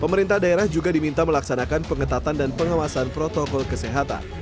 pemerintah daerah juga diminta melaksanakan pengetatan dan pengawasan protokol kesehatan